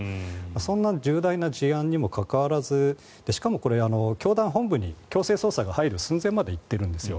そんな重大な事案にもかかわらずしかもこれ、教団本部に強制捜査が入る寸前まで行ってるんですよ。